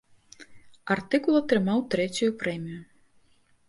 Артыкул атрымаў трэцюю прэмію.